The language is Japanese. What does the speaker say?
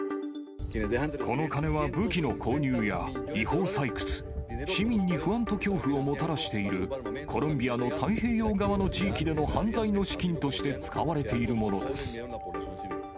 この金は武器の購入や違法採掘、市民に不安と恐怖をもたらしているコロンビアの太平洋側の地域での犯罪の資金として使われているものです。